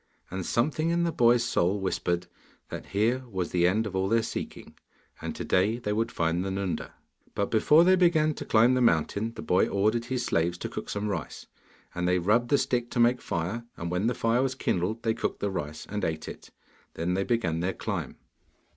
And something in the boy's soul whispered that here was the end of all their seeking, and to day they would find the Nunda. But before they began to climb the mountain the boy ordered his slaves to cook some rice, and they rubbed the stick to make a fire, and when the fire was kindled they cooked the rice and ate it. Then they began their climb.